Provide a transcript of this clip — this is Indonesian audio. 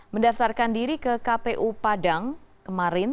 mendaftarkan diri ke kpu padang kemarin